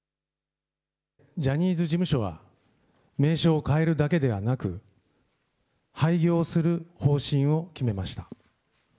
ジャニーズ事務所は、名称を変えるだけではなく、廃業する方針を決めました。